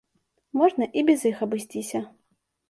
Можна і без іх абысціся.